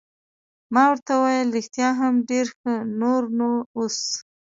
ما ورته وویل: رښتیا هم ډېر ښه، نور نو اوس.